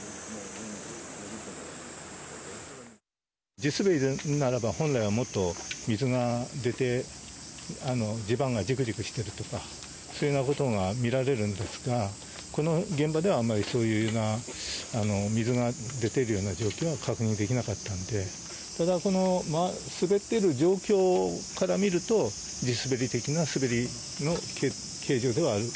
地滑りならば本来もっと水が出て地盤がじくじくしているとかそういうなことが見られるんですがこの現場ではあまりそういうようなあの水が出ているような状況は確認できなかったんでただこの滑ってる状況から見ると地滑り的な滑りの形状ではある。